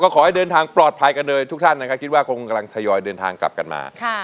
ขอให้เดินทางปลอดภัยกันเลยทุกท่านนะครับคิดว่าคงกำลังทยอยเดินทางกลับกันมา